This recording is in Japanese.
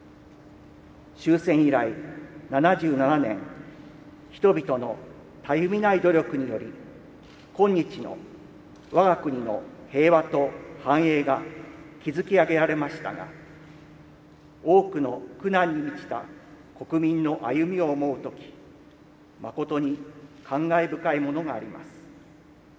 終戦以来７７年、人々のたゆみない努力により、今日の我が国の平和と繁栄が築き上げられましたが、多くの苦難に満ちた国民の歩みを思うとき、誠に感慨深いものがあります。